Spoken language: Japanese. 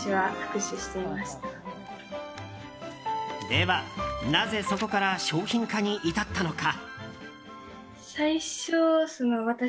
では、なぜそこから商品化に至ったのか。